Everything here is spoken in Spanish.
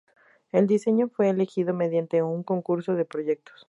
El diseño fue elegido mediante un concurso de proyectos.